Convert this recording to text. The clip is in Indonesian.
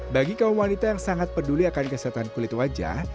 bagi kaum wanita yang sangat peduli akan kesehatan kulit wajah